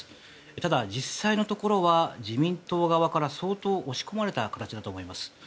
ただ、実際のところは自民党側から相当、押し込まれた形だと思います。